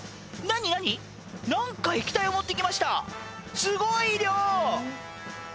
何か液体を持ってきましたすごい量！